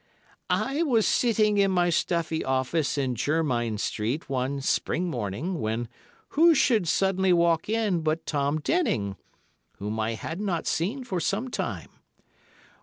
"I was sitting in my stuffy office in Jermyn Street one spring morning, when, who should suddenly walk in but Tom Denning, whom I had not seen for some time.